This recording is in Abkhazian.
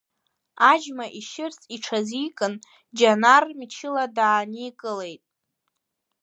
Аџьма ишьырц иҽазикын, Џьанар мчыла дааникылеит.